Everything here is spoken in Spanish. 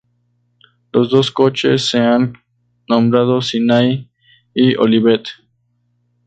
Los dos coches se han nombrado "Sinai" y "Olivet".